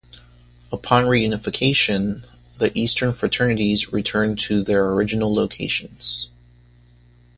Upon reunification, the Eastern fraternities returned to their original locations.